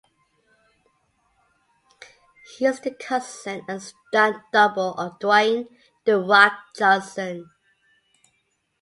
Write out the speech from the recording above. He is the cousin and stunt double of Dwayne "The Rock" Johnson.